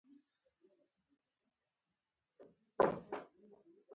سږکال که چا قرباني کړې وي، په پور او سود یې پیسې راوړې.